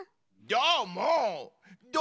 どーも！